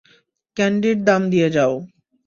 ক্যান্ডির দাম দিয়ে যাও।